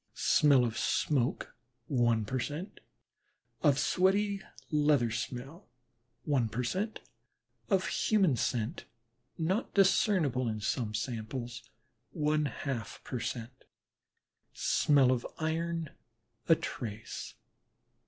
smell of smoke, one per cent.; of sweaty leather smell, one per cent.; of human body scent (not discernible in some samples), one half per cent.; smell of iron, a trace.